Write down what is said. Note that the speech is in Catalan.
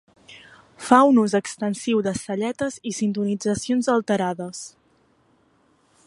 Fa un ús extensiu de celletes i sintonitzacions alterades.